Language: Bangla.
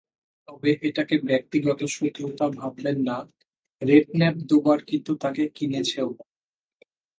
তবে এটাকে ব্যক্তিগত শত্রুতা ভাববেন না, রেডন্যাপ দুবার কিন্তু তাঁকে কিনেছেনও।